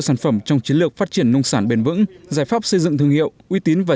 sản phẩm trong chiến lược phát triển nông sản bền vững giải pháp xây dựng thương hiệu uy tín và